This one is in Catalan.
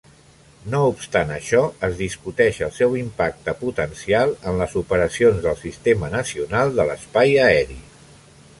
No obstant això, es discuteix el seu impacte potencial en les operacions del sistema nacional de l'espai aeri.